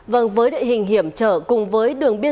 vâng với địa hình hiểm trở cùng với đường biên